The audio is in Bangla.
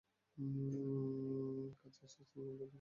কাছে আসিয়া স্নিগ্ধস্বরে ডাকিল, কাকীমা।